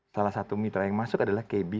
salah satu mitra yang masuk adalah kb